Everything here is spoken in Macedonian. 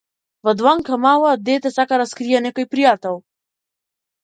Во дланка мала дете сака да скрие некој пријател.